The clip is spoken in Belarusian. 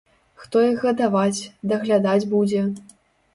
Хто іх гадаваць, даглядаць будзе?